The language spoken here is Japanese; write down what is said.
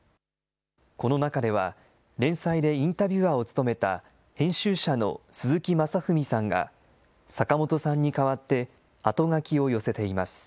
この中では、連載でインタビュアーを務めた編集者の鈴木正文さんが、坂本さんに代わってあとがきを寄せています。